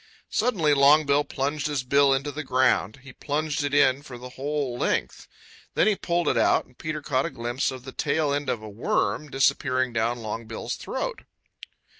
Suddenly Longbill plunged his bill into the ground. He plunged it in for the whole length. Then he pulled it out and Peter caught a glimpse of the tail end of a worm disappearing down Longbill's throat.